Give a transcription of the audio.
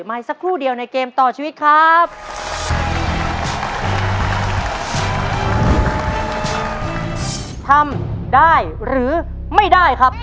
ถามได้หรือไม่ได้ครับ